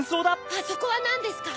あそこはなんですか？